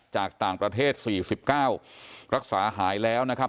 จากต่างประเทศ๔๙รักษาหายแล้วนะครับ